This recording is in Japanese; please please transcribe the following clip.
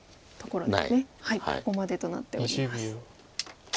ここまでとなっております。